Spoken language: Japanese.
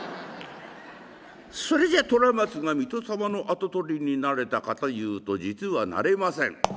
それじゃ虎松が水戸様の跡取りになれたかというと実はなれません。